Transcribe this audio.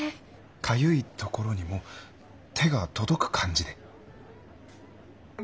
かゆいところにも手が届く感じで。